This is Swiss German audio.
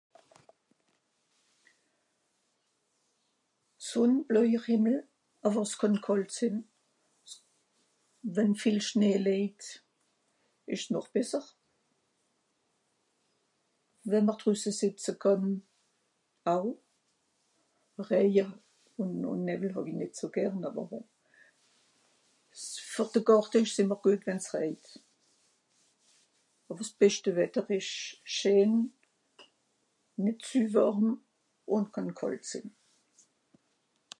sonn bleujer hìmmel àwer s'kànn kàlt sìn den villicht (schnee leijt) esch nòch besser wenn mr drüsse sìtze kànn aw reije ùn nevel hàwi nìt so gern àwer euh s ver de gàrte esch's ìmmer geut wenn's reijt àwer s'beschte wetter esch scheen nìt zü wàrm ùn kànn kàlt sìn